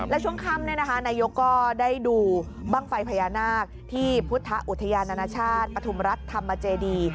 และช่วงค่ำนายกก็ได้ดูบ้างไฟพญานาคที่พุทธอุทยานานานาชาติปฐุมรัฐธรรมเจดี